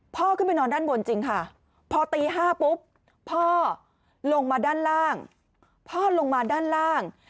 พ่อขึ้นไปนอนด้านบนจริงค่ะพอตี๕ปุ๊บพ่อลงมาด้านล่าง